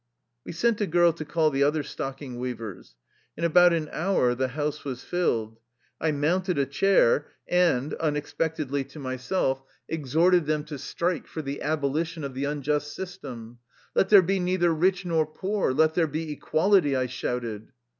We sent a girl to call the other stocking weav ers. In about an hour the house was filled. I mounted a chair and, unexpectedly to myself, 31 THE LIFE STORY OF A RUSSIAN EXILE exhorted them to strike for the abolition of the unjust system. " Let there be neither rich nor poor ! Let there be equality !" I shouted.